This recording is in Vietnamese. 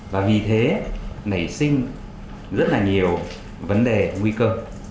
và vì thế nảy sinh rất là nhiều vấn đề nguy cơ